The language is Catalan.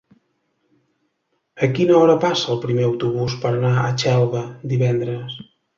A quina hora passa el primer autobús per Xelva divendres?